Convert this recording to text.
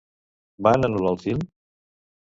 Van anul·lar el film?